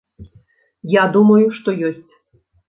Я думаю, што ёсць.